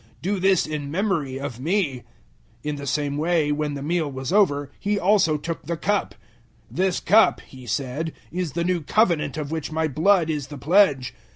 Do this in memory of me." 011:025 In the same way, when the meal was over, He also took the cup. "This cup," He said, "is the new Covenant of which my blood is the pledge.